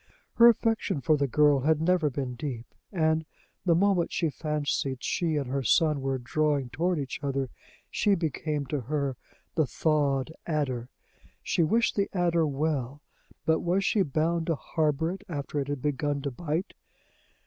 Her affection for the girl had never been deep; and, the moment she fancied she and her son were drawing toward each other, she became to her the thawed adder: she wished the adder well, but was she bound to harbor it after it had begun to bite?